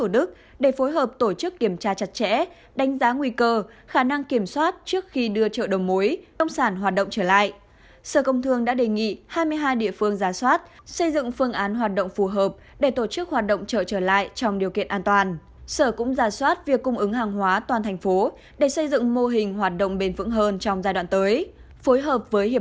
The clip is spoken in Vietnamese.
để hướng dẫn tổ chức hoạt động sản xuất trở lại trong điều kiện an toàn bà ngọc nói